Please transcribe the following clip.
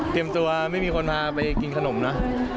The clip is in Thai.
เตรียมตัวไม่มีคนมาไปกินขนมนะ